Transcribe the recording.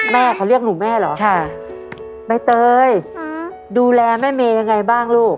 แม่เขาเรียกหนูแม่เหรอใบเตยดูแลแม่เมย์ยังไงบ้างลูก